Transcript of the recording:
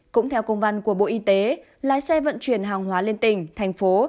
cũng theo công văn của bộ y tế lái xe vận chuyển hàng hóa lên tỉnh thành phố